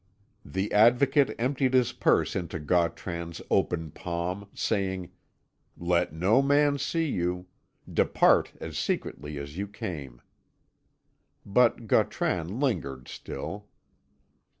The Advocate emptied his purse into Gautran's open palm, saying, "Let no man see you. Depart as secretly as you came." But Gautran lingered still.